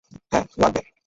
হ্যাঁ, লাগবে।